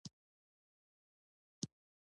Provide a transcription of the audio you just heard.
ایا تیزاب مو ستوني ته راځي؟